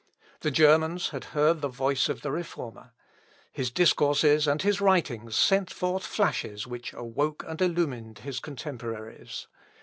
The Germans had heard the voice of the Reformer. His discourses and his writings sent forth flashes which awoke and illumined his contemporaries.